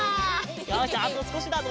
よしじゃああとすこしだぞ。